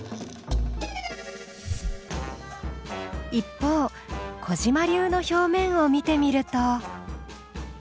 一方小嶋流の表面を見てみると。